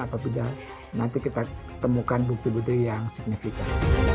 apabila nanti kita temukan bukti bukti yang signifikan